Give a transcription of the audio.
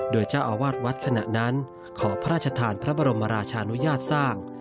โดยเจ้าอาวาสวัดขณะนั้นขอพระราชทานพระบรมราชานุญาตสร้าง